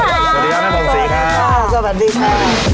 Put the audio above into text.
สวัสดีครับสวัสดีค่ะ